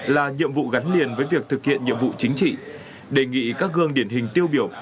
là nhiệm vụ gắn liền với việc thực hiện nhiệm vụ chính trị đề nghị các gương điển hình tiêu biểu